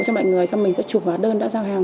cho mọi người xong mình sẽ chụp vào đơn đã giao hàng